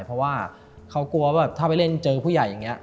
เพราะว่าเขากลัวว่าถ้าไปเล่นเจอผู้ใหญ่อย่างนี้